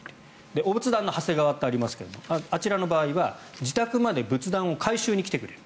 お仏壇のはせがわってありますがあちらの場合は自宅まで仏壇を回収に来てくれる。